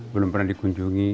belum pernah dikunjungi